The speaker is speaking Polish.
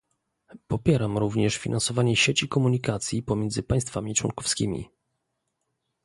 Popieram również finansowanie sieci komunikacji pomiędzy państwami członkowskimi